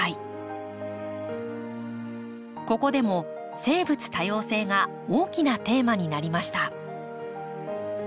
ここでも生物多様性が大きなテーマになりました。